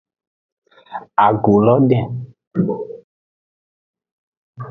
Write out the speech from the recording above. Agu lo den.